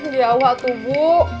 jauh aku bu